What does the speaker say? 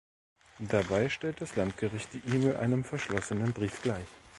Dabei stellt das Landesgericht die E-Mail einem verschlossenen Brief gleich.